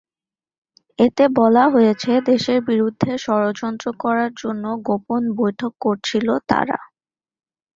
এতে বলা হয়েছে, দেশের বিরুদ্ধে ষড়যন্ত্র করার জন্য গোপন বৈঠক করেছিলেন তাঁরা।